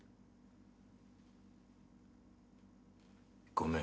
ごめん。